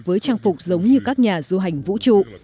với trang phục giống như các nhà du hành vũ trụ